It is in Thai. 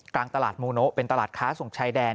กลางตลาดมูโนะเป็นตลาดค้าส่งชายแดน